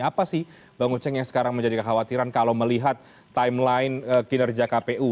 apa sih bang uceng yang sekarang menjadi kekhawatiran kalau melihat timeline kinerja kpu